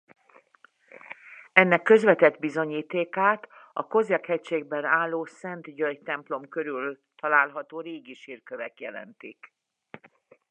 Ennek közvetett bizonyítékát a Kozjak-hegységben álló Szent György templom körül található régi sírkövek jelentik.